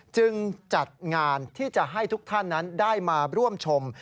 จัดงานที่จะให้ทุกท่านนั้นได้มาร่วมชม